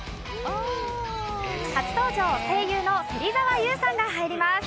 初登場声優の芹澤優さんが入ります。